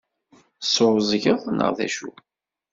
Teɛɛuẓgeḍ neɣ d acu?